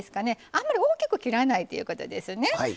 あまり大きく切らないということですかね。